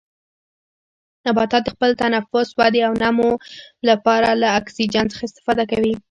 نباتات د خپل تنفس، ودې او نمو لپاره له اکسیجن څخه استفاده کوي.